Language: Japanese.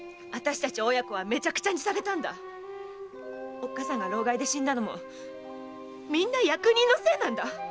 おっかさんが労咳で死んだのもみんな役人のせいなんだ！